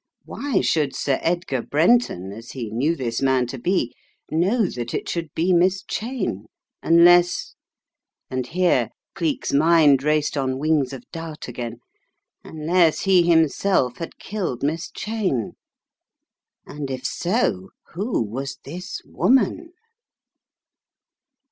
Why should Sir Edgar Brenton, as he knew this man to be, know that it should be Miss Cheyne, unless — and here Cleek's mind raced on wings of doubt again — unless he himself had killed Miss Cheyne? And if so, who was this woman